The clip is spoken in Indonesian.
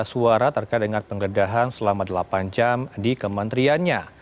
suara terkait dengan penggeledahan selama delapan jam di kementeriannya